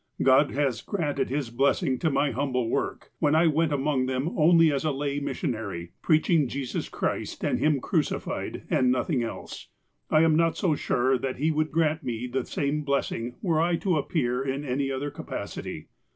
God has granted His blessing to my humble work, when I went among them only as a lay missionary, x^reachiug Jesus Christ and Him crucified, and nothing else. I am not so sure that He would grant me the same blessing were I to appear in any other capacity."